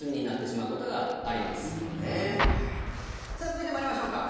さあ続いて参りましょうか。